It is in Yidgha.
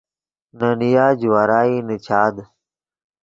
نے نیا جوارائی نیچاد